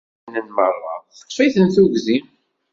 Imdanen merra teṭṭef-iten tuggdi.